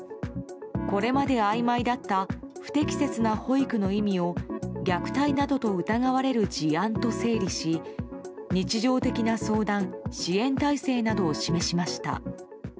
これまであいまいだった不適切な保育の意味を虐待などと疑われる事案と整理し日常的な相談・支援体制などを示しました。